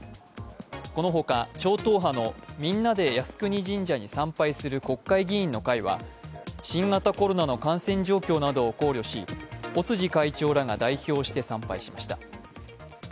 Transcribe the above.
この他、超党派のみんなで靖国神社に参拝する国会議員の会は新型コロナの感染状況などを考慮し、尾辻会長らが代表して参拝しました。